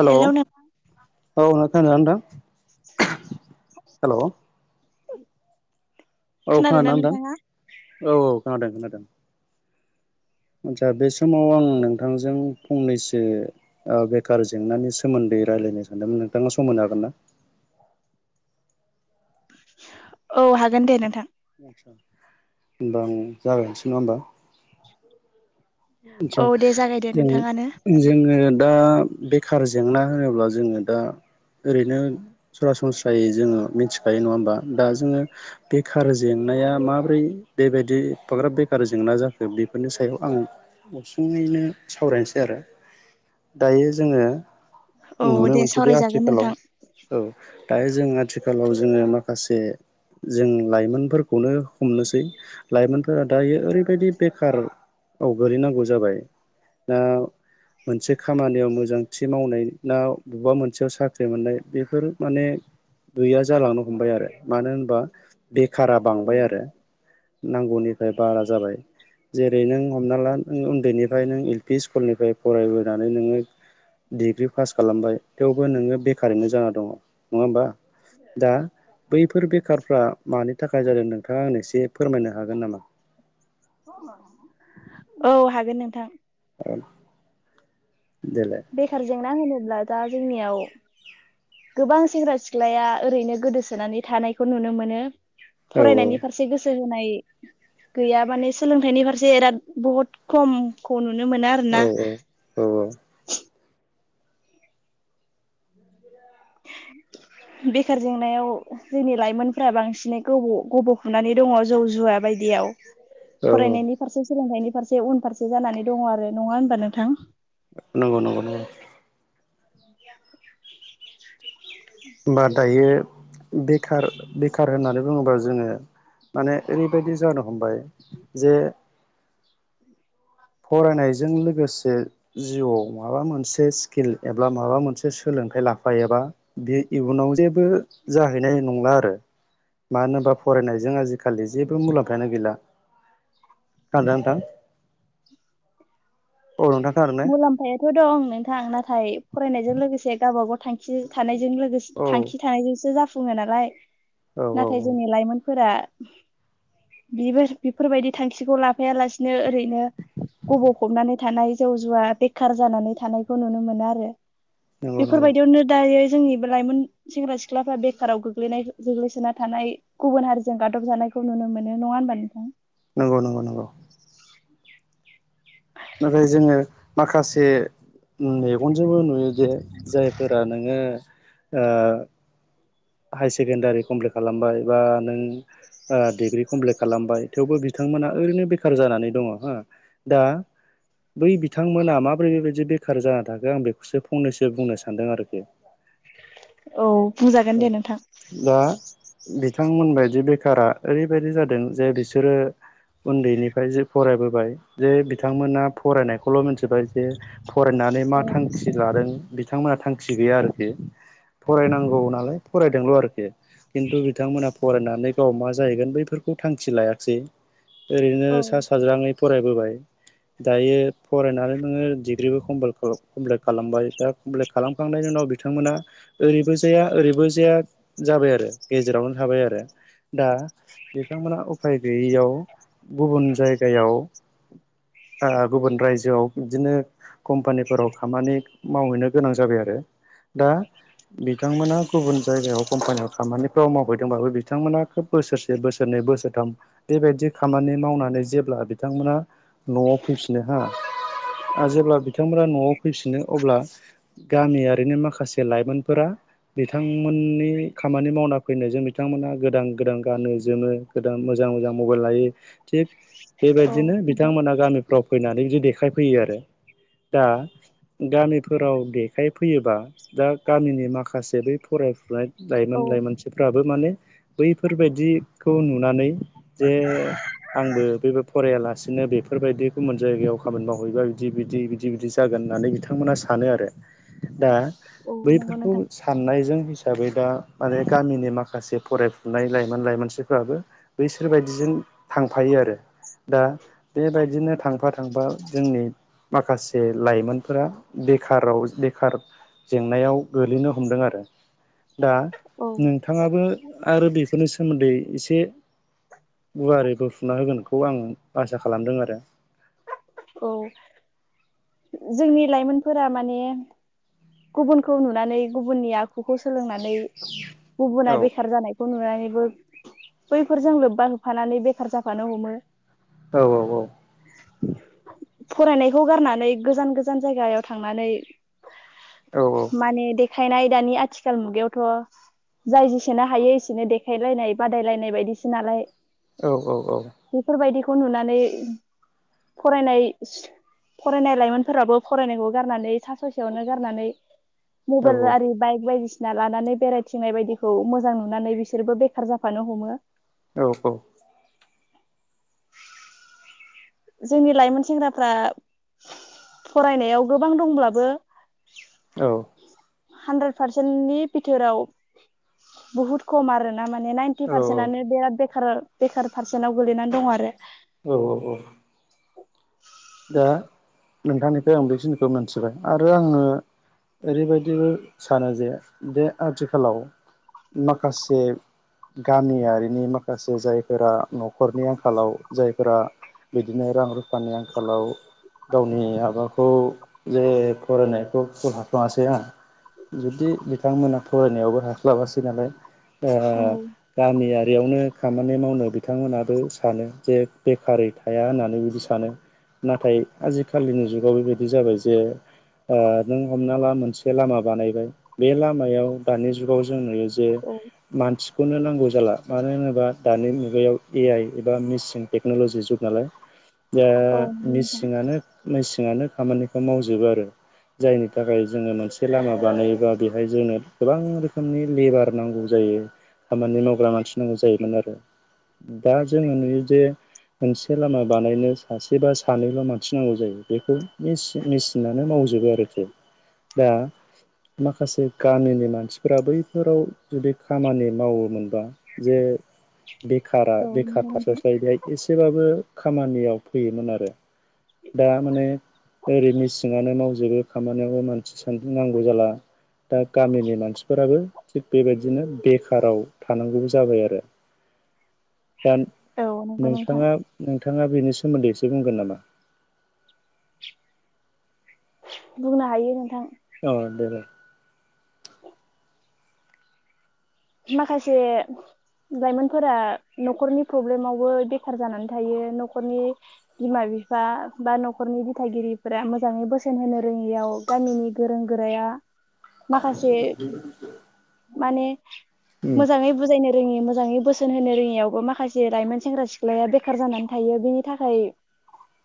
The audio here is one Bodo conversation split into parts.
हेल' औ हेलौ नों खोनादों ना नोंथां हेल' खोनादों ना नोंथां नोंथाङा औ औ खोनादों खोनादों आचसा बे समाव आं नोंथांजों फंनैसो बेखार जेंनानि सोमोन्दै रायलायनो सानदोंमोन नोंथाङा सम होनो हागोन ना औ हागोन दे नोंथां आदसा होमबा आं जागायसै नङा होमबा औ जों दे जागायदो नोंथाङानो जोङो दा बेखार जेंना होनोब्ला जोङो दा ओरैनो सरासनस्रायै जोङो मिथिखायो नङा होमबा दा जोङो बेकार जेंनाया माब्रै बेबायदि एप्राग्राब बेखार जेंना जाखो बे बे बेनि सायाव आं गुसुङैनो सावरायनोसै आरो दायो जोङो औ नुनो दे मोनसै बे सावरायजागोन आथिखालाव नोंथां औ दायो जों आथिखालाव जोङो माखासे जों लाइमोनफोरखौनो हमनोसै लाइमोनफोरा दायो ओरैबायदि बेखार औ गोलैनांगौ जाबाय दा मोनसे खामानियाव मोजांथि मावनाय ना बबेबा मोनसेयाव साख्रि मोननाय बेफोर माने गैया जालांनो हमबाय आरो मानो होनबा बे बेखारा बांबाय आरो नांगौनिफ्राय बारा जाबाय जेरै नों हमना ला उन्दैनिफ्राय नों एल पि स्कुलनिफ्राय फरायबोनानै नोङो डिग्रि पास खालामबाय थेवबो नोङो बेखारैनो जाना दङ नङा होमबा दा बैफोर बेखारफ्रा मानो थाखाय जादों नोंथाङा आं एसे फोरमायनो हागोन नामा औ हागोन नोंथां आरो बेखार जेंना होनोब्ला दा जोंनियाव गोबां सेंग्रा सिख्लाया ओरैनो गोदोसोनानै थानायखौ नुनो मोनो। औ फरायनायनि फारसे गोसो हो गैया माने सोलोंथाइनि फारसे बहुत खम औ औ औ औ बि बेखार जेंनायाव जोंनि लाइमोनफ्रा बांसिनै गोबाव गब'खबनानै दङ जौ जुवा बायदि दियाव औ फरायनायनि फारसे सोलोंनायनि फारसे उनफारसे जानानै दङ आरो नङा होनबा नोंथां नंगौ नंगौ नंगौ होमबा दायो बेखार बेखार होननानै बुङोबा जोङो माने ओरैबायदि जादों हमबाय जे फरायनायजों लोगोसे जिउआव माबा मोनसे स्किल एबा माबा मोनसे सोलों लांखाय लाफायो एबा बे इयुनाव जेबो जाहैनाय नंला आरो। मानो होनोबा फरायनायजों आजिखालि जेबो मुलाम्फायानो गैला। खोनादों ना नोंथां? औ नोंथां खोनादों ने मुलाम्फायाथ' दं नोंथां नाथाय फरायनायजों लोगोसे गावब गाव थांखि थानाय जों लोगोसे औ थांखि थानायजोंसो जाफुङो नालाय औ औ नाथाय औ जोंनि लाइमोनफोरा [inaudible] बेबो बेफोरबायदि थांखिखौ लाफायालासिनो ओरैनो गबवफबनानै थानाय जौ जुवा बेखार जानानै थानायखौ नुनो मोनो आरो नंगौ नंगौ बेफोरबायदियावनो दायो जोंनिबो लाइमोन सेंग्रा सिख्लाफ्रा बेखाराव गो्लैनाय गोग्लैसोना थानाय गुबुन हारिजों गादब जानाय खौ नुनो मोनो नङा होनबा नोंथां? नंगौ नंगौ नंगौ [inaudible] ओफ्राय जोङो माखासे मेगनजोंबो नुयो जे जायफोरा नोङो ओ हायार सेकेण्डारि कमप्लिट खालामबाय बा नों डिग्रि कमप्लिट खालामबाय थेवबो बिथां बिथांमोना ओरैनो बेखार जानानै दङ हा दा बै बिथांमोना माबोरै बेबायदि बेखार जा थाखो आं बेखौसो फंनैसो बुंनो सानदों आरोखि। [inaudible] औ बुंजागोन दे नोंथां। बिथांमोनबायदि बेखारा ओरैबायदि जादों जे बिसोरो उन्दैनिफ्राय जे फरायबोबाय जे बिथांमोना फरायनायखौल' मिथिबाय जे फरायनानै मा औ थांखि लादों बिथांमोनहा थांखि गैया आरोखि फरायनांगौ नालाय फरायदोंल' आरोखि खिन्थु बिथांमोना फरायनानै मे गाव मा जाहैगोन बैफोरखौ थांखि लायाखिसै ओरैनो औ सा साज्राङै फरायबोबाय। दायो फरायनानै नोङो डिग्रिबो खालामबाय दा कमपट खालामखांनायनि उनाव बिथांमोना ओरैबो जाया ओरैबो ख जाया जाबाय आरो गेजेरावनो थाबाय आरो। दा बिथांमोना उफाय गैयैयाव गुबुन जायगायाव गुबुन रायजोआव बिदिनो कम्पानिफोराव खामानि मावहैनो गोनां जाबाय आरो। दा बिथांमोना गुबुन जायगायाव कम्पानियाव खामानिफ्राव मावबोैदोंबाबो बिथांमोना खोब बोसोरसे बोसोरनै बोसोरथाम बेबायदि खामानि मावनानै जेब्ला बिथांमोना न'आव फैफिनो हा आरो जेब्ला बिथांमोना न'आव फैफिनो अब्ला गामियारिनो माखासे लाइमोनफोरा बिथांमोननि खामानि मावना फैनायजों बिथांमोना गोदान गोदान गानो जोमो गोदान मोजां मोजां मबाइल लायो थिग औ बेबायदिनो बिथांमोना गामिफ्राव फैनानै बिदि देखायफैयो आरो। दा गामिफोराव देखायफैयोबा दा गामिनि माखासे जे बै फरायफुनाय लाइमोन औ लाइमोनसिफ्राबो माने बैफोरबायाददिखौ नुनानै जे आंबो बेबो फरायालासिनो बेफोरबायदि गुबुन जायगायाव खामानि मावहैबा बिदि बिदि बिदि बिदि जागोन होननानै बिथांमोना सानो आरो दा अ नोंगौ नोंथां नायजों हिसाबै दा माने गामिनि माखासे फरायफुनाय लाइमोन लाइमोनसिफ्राबो बै बिसोरबायदिजों थांफायो आरो दा बेबायदिनो थांफा थांफा जोंनि माखासे लाइमोनफोरा बेखाराव बेखार जेंनायाव गोग्लैनो ह हमदों आरो दा औ नोंथाङाबो आरो बेफोरनि सोमोन्दै एसे गुवारै बोफुना होगोनखौ आं आसा खालामदों आरो। औ जोंनि लाइमोनफोरा माने गुबुनखौ नुनानै गुबुननि आख आखौ सोलोंनानै गुबुना औ बेखार जानायखौ नुनानै बैफोरजों लोब्बा होफानानै बेखार जाफानो हमो औ औ औ। फरायनायखौ गारनानै गोजान गोजान जायगायाव थांनानै। औ माने देखायनाय दानि आथिखाल मुगायावथ' जाय जेसेनो हायो एसेनो देखायलायनाय बादायलायनाय बायदिसो नालाय औ औ औ। फन नुनानै फरायनाय फरायनाय लाइमोनफोराबो फरायनायखौ गारनानै सा ससेयावनो गारनानै औ मबाइल आरो बाय बाय फसिना लानानै बेरायथिंनाय बायदिखौ मोजां नुनानै बिसोरबो बेखार जाफानो हमो औ औ। जोंनि लाइमोन सेंग्राफ्रा फरायनायाव गोबां दंब्लाबो औ। हानद्रेद पारसेन्टनि बिथोराव बहुत खम आर ना ा माने नाइटि औ औ पारसेटनो बिराद बे बेखार पारसेन्ट आव गोगैनानै दं आरो औ औ औ। दा नोंथांनिफ्राय आं बेखिनिखौ मोनथिबाय आरो आङो ओरैबायदिबो सानो जे बे आथिखालाव माखासे गामियारिनि माखासे जायफोरा न'खरनि आंखालाव जायफोरा बिदिनो रां रुफानि आंखालाव गावनि माबाखौ जे फरायनायखौ ख हथङासै आं जुदि बिथांमोना फरायनायावबो हास्लाबासै नालाय औ गामियारि यावनो खामानि मावनो बिथांमोनाबो सानो जे बेखारै थाया होननानै बिदि सानो नाथाय आजिखालिनि जुगाव बेबायदि जाबाय जे नों हमना ला मोनसे लामा बानायबाय बे लामायाव दानि जुगाव जों नुयो। जे मानसि बेखौनो नांगौ जाला मानो होनोबा दानि मुगायाव ए आइ एबा मेचिन टेक्न'लजि जुग नालाय दा औ नंगौ नोंथां मेसेानो मेसेनानो खामानिखौ मावजोबो आरो जायनि थाखाय जोङो मोनसे लामा बानायोबा बेहाय जोंनो गोबां रोखोमनि लेबार नांगौ जायो। खामानि मावग्रा मानसि नांगौ जायोमोन आरो दा जोङो नुयो जे मोनसे लामा बानायनो सासेबा सानैल' मानथिनांगौ जायो बेखौ मेसििनानो मावजोबो आरोखि दा माखासे गामिनि मानसिफोरा बैफोराव जुदि खामानि मावोमोनबा जे बेखारा औ बेखार नंगौ थास' नोंथां सायदिहाय एसेबाबो खामानियाव फैयोमोन आरो दा माने ओरै मेसिंआनो मावजोबो खामानियावबो मानसि सानसि नांगौ जाला दा गामिनि मानसिफोराबो थिग बेबायदिनो बेखाराव थानांगौबो जाबाय आरो दा औ नंगौ नोंथां नोंथाङा नोंथाङा बेनि सोमोन्दै एसे बुंगोन नामा? बुंनो हायो नोंथां। औ दे दे। माखासे लाइमोनफोरा न'खरनि प्रब्लेमावबो बेखार जानानै थायो न'खरनि बिमा बि बिा बिफा बा न'खरनि दिथागिरिफोरा मोजाङै बोसोन होनो रोङियाव गामिनि गोरों गोराया माखासे माने उम मोजाङै बुजायनो रोङि मोजाङै बोसोन होनो रोङियावबो माखासे लाइमोन सेंग्रा सिख्लाया बेखार जानानै थायो बेनि थाखाय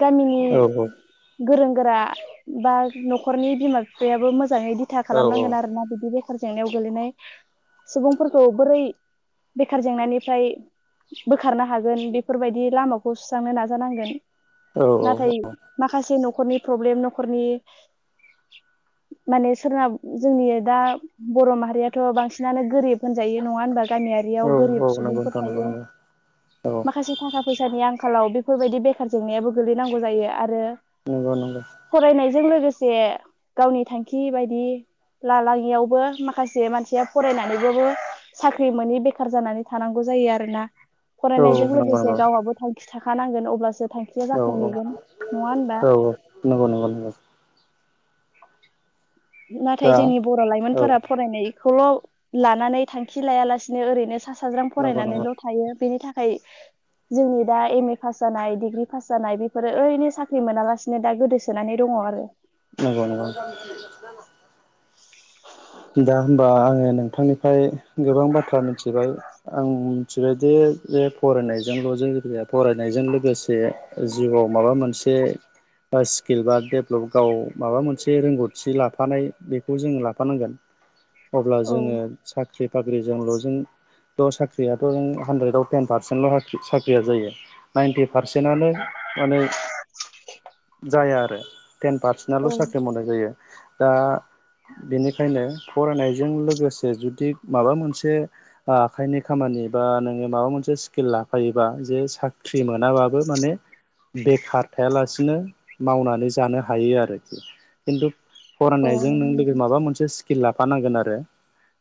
ग [inaudible] औ औ। गोरों गोरा बा न'खरनि बिमा बिफायाबो मोजाङै दिथा औ औ खालामनांगोन आरोना बिदि बेखार जेंनायाव गोलैनाय सुबुंफोरखौ बोरै बेखार जेंनानिफ्राय बोखारनो हागोन बेफोरबायदि लामाखौ सुस्रांनो नाजानांगोन। औ नाथाय माखासे न'खरनि प्रब्लेम न'खरनि माने सोरना जोंनि दा बर' माहारियाथ' बांसिनानो गोरिब होनजायो नङा होनबा? औ गामियारियाव गोरिब औ नंगौ सुबुंफोर नोंथां नंगौ थायो नंगौ औ माखासे थाखा फैसानि आं खालाव बेफोरबायदि बेखार जेंनायाबो गोगलैनांगौ जायो आरो नंगौ नंगौ जों लोगोसे गावनि थांखि बायदि लालाङियावबो माखासे मानसिया फरायनानैबाबो साख्रि मोनोै बेखार जानानै थानांगौ जायो आरोना। औ फरायनायजों नंगौ लोगोसे नंगौ गावहाबो थांखि थाखानांगोन। अब्लासो थांखिया औ औ जाफुंहैगोन नङा होनबा? नंगौ नंगौ नंगौ नाथाय दा जोंनि बर' औ लाइमोनफोरा फरायनाय खौल' लानानै थांखि लाया लासिनो ओरैनो सासे साज्रां नंगौ नंगौ फरायनानैल' थायो। बेनि थाखाय जोंनि दा एम ए पास जानाय डिग्रि पास जानाय बेफोरो ओरैनो साख्रि मोनालासिनो दा गोदोसोनानै दङ आरो। नंगौ नंगौ [inaudible] दा होमबा आङो नोंथांनिफ्राय गोबां बाथ्रा मिथिबाय आं मिथिबाय जे बे फरायनायजोंल जे गया फरायनायजों लोगोसे जिउआव माबा मोनसे [inaudible] बा स्किल बा डेभलप गाव माबा मोनसे रोंगौथि लाफानाय बेखौ जोङो लाफानांगोन। अब्ला औ जोङो साख्रि बाख्रिजोंल' जों थ' साख्रियाथ हानद्रेदआव टेन पारसेन्टल साख्रिया जायो। नाइन्टि पारसेन्टनो माने जाया आरो। टेन पारसेन्ट औ आल' साख्रि मावनाय जायो दा बेनि खायनो फरायनायजों लोगोसे जुदि माबा मोनसे आखाइनि खामानि बा नों माबा मोनसे स्किल लाफायोबा जे साख्रि मोनाबाबो माने बेखार थायालासिनो मावनानै जानो हायो आरोखि। खिन्थु औ फरायनायजों नंगौ नों नोंथां माबा मोनसे स्किल लाफानांगोन आरो।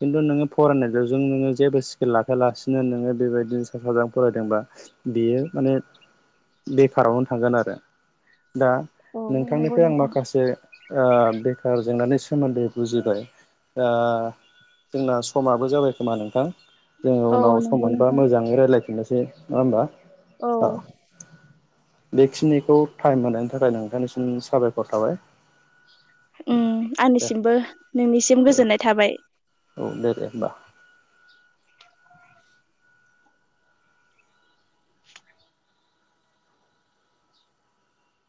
खिन्थु नोङो फरायनाय'जों नोङो जेबो स्किल लाखायालासिनो नोङो बेबायदिनो सा साज्रां फरायदोंबा बेयो माने बेखारावनो थांगोन आरो। दा औ नंगौ नोंथांनिफ्राय आं नोंथां माखासे ओ बेखार जेंनानि सोमोन्दै बुजिबाय दा जोंना समाबो जाबाय खोमा नोंथां? जोङो औ उनाव सम नंगौ मोनबा नोंथां मोजाङै रायजलायफिननोसै नङा होमबा? औ बेखिनिखौ टाइम होनायनि थाखाय नोंथांनिसिम साबायखर थाबाय। उम दे आंनिसिमबो नोंनिसिम औ गोजोननाय थाबाय। औ दे दे होमबा।